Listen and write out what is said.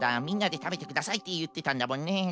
「みんなでたべてください」っていってたんだもんね。